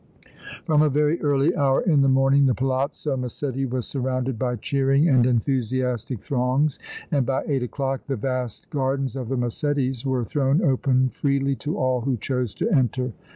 From a very early hour in the morning the Palazzo Massetti was surrounded by cheering and enthusiastic throngs, and by eight o'clock the vast gardens of the Massettis' were thrown open freely to all who chose to enter.